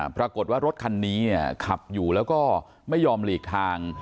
ปรากฏว่ารถคันนี้ขับอยู่แล้วก็ไม่ยอมหลีกทาง